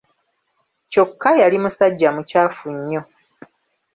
Kyokka yali musajja mucaafu nnyo.